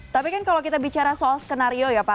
tapi kan kalau kita bicara soal skenario ya pak